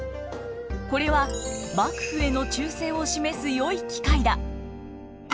これは幕府への忠誠を示すよい機会だ。